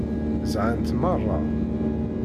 Zhant meṛṛa.